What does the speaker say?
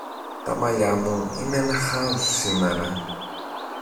Τα μαλλιά μου είναι ένα χάος σήμερα.